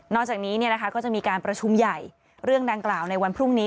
จากนี้ก็จะมีการประชุมใหญ่เรื่องดังกล่าวในวันพรุ่งนี้